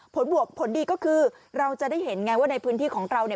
บวกผลดีก็คือเราจะได้เห็นไงว่าในพื้นที่ของเราเนี่ย